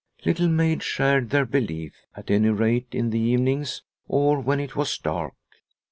Little Maid shared their belief, at any rate, in the evenings or when it was dark.